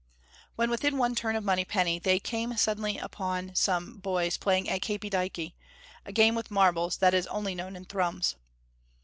When within one turn of Monypenny they came suddenly upon some boys playing at capey dykey, a game with marbles that is only known in Thrums.